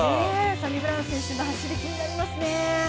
サニブラウン選手の走り気になりますね。